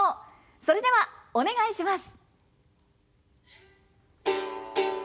それではお願いします。